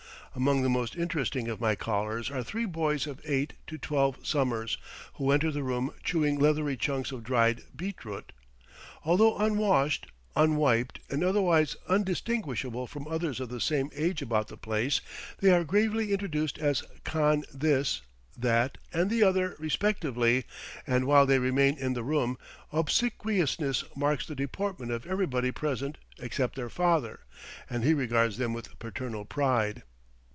Among the most interesting of my callers are three boys of eight to twelve summers, who enter the room chewing leathery chunks of dried beetroot. Although unwashed, "unwiped," and otherwise undistinguishable from others of the same age about the place, they are gravely introduced as khan this, that, and the other respectively; and while they remain in the room, obsequiousness marks the deportment of everybody present except their father, and he regards them with paternal pride.